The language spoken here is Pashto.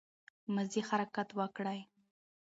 مازې حرکت وکړٸ